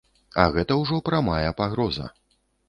А гэта ўжо прамая пагроза.